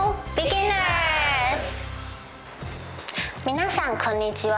皆さんこんにちは。